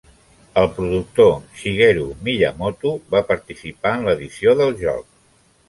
El productor Shigeru Miyamoto va participar en l'edició de el joc.